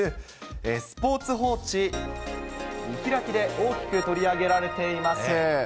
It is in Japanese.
スポーツ報知、見開きで大きく取り上げられています。